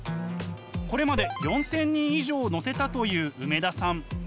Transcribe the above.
これまで４，０００人以上乗せたという梅田さん。